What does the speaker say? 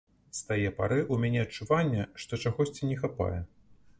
З тае пары ў мяне адчуванне, што чагосьці не хапае.